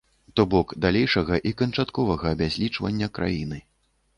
То бок далейшага і канчатковага абязлічвання краіны.